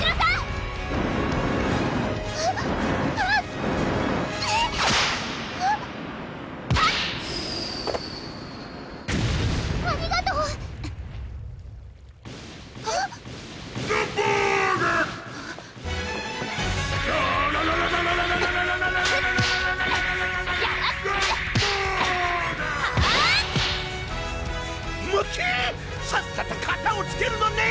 さっさとかたをつけるのねん！